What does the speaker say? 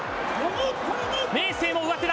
明生も上手だ。